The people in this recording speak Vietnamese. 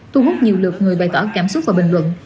thu hút nhiều lượt người bày tỏ cảm xúc và bình luận